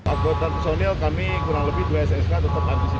anggota personil kami kurang lebih dua ssk tetap antisipasi